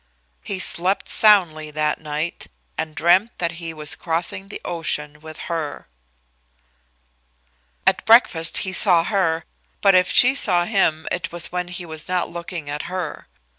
He slept soundly that night, and dreamed that he was crossing the ocean with her. At breakfast he saw her, but if she saw him it was when he was not looking at her.